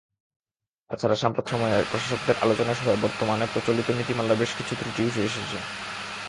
তাছাড়া সাম্প্রতিক সময়ে প্রশাসকদের আলোচনাসভায় বর্তমানে প্রচলিত নীতিমালার বেশকিছু ত্রুটি উঠে এসেছে।